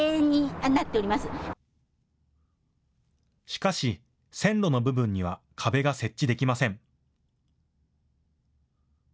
しかし線路の部分には壁が設置できません。